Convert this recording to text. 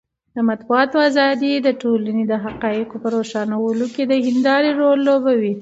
د مطبوعاتو ازادي د ټولنې د حقایقو په روښانولو کې د هندارې رول لوبوي.